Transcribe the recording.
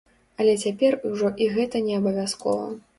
Але цяпер ужо і гэта не абавязкова.